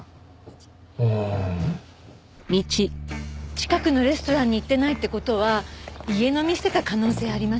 近くのレストランに行ってないって事は家飲みしてた可能性ありません？